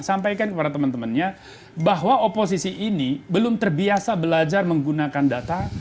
sampaikan kepada teman temannya bahwa oposisi ini belum terbiasa belajar menggunakan data